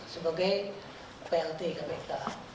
sebagai plt kpk